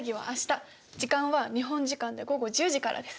時間は日本時間で午後１０時からです。